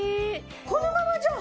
このままじゃあ